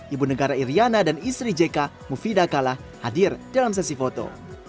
ibu negara iryana dan istri jk mufidah kala hadir dalam sesi foto